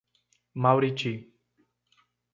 Mauriti